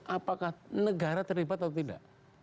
apakah negara terlibat atau tidak